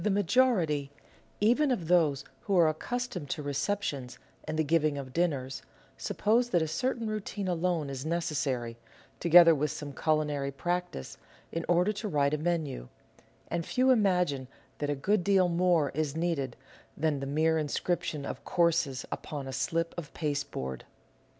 The majority — even of those who are accustomed to recep tions and the giving of dinners — suppose that a certain routine alone is necessary, together with some culinary practice, in order to write a menu ; and few imagine that a good deal more is needed than the mere inscription of Courses upon a slip of pasteboard.